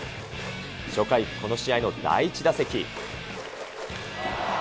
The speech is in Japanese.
初回、この試合の第１打席。